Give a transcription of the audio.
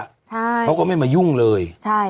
ใช่ใช่ค่ะเขาก็ไม่มายุ่งเลย